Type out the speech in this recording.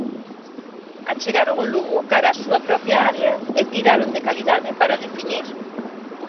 Achegaron o Lugo cara a súa propia área e tiraron de calidade para definir.